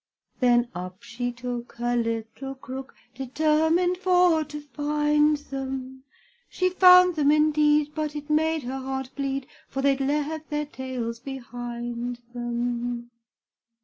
Then up she took her little crook, Determined for to find them; She found them indeed, but it made her heart bleed, For they'd left their tails behind them!